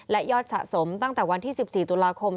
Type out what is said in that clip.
และยอดสะสมตั้งแต่วันที่๑๔ตุลาคม